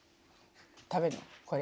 食べるのこれ。